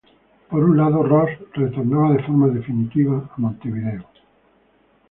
Por un lado, Roos retornaba de forma definitiva a Montevideo.